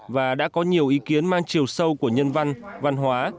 và đã có nhiều ý kiến mang chiều sâu của nhân văn văn hóa